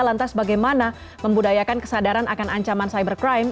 lantas bagaimana membudayakan kesadaran akan ancaman cybercrime